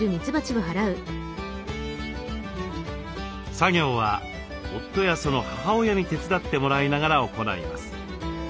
作業は夫やその母親に手伝ってもらいながら行います。